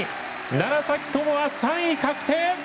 楢崎智亜、３位確定。